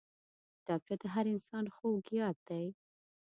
کتابچه د هر انسان خوږ یاد دی